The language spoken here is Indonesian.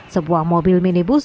sebuah mobil minibus